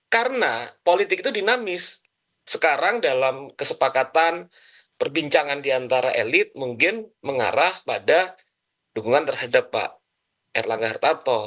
karena politik itu dinamis sekarang dalam kesepakatan perbincangan diantara elit mungkin mengarah pada dukungan terhadap pak erlang gartato